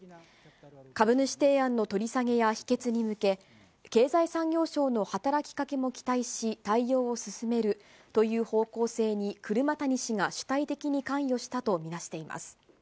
株主提案の取り下げや否決に向け、経済産業省の働きかけも期待し、対応を進めるという方向性に車谷氏が主体的に関与したと見なしています。